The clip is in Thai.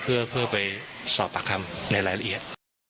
เพื่อไปสอบปากคำในรายละเอียด